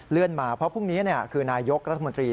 มาเพราะพรุ่งนี้คือนายกรัฐมนตรี